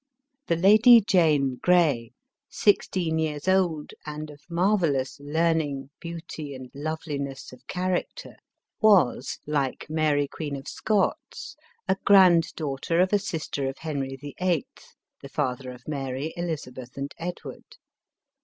The Lady Jane Grey, sixteen years old, and of mar vellous learning, beauty and loveliness of character, was, L 284 ELIZABETH OF ENGLAND. like Mary Queen of Scots, s. grand daughter of a sister of Henry VIIL, the father of Mary, Elizabeth and Ed ward.